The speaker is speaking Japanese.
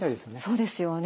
そうですよね。